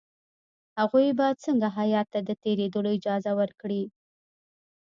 هغوی به څنګه هیات ته د تېرېدلو اجازه ورکړي.